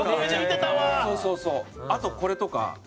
あとこれとか。